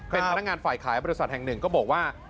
เป็นพนักงานฝ่ายขายบริษัทแห่งหนึ่งก็บอกว่า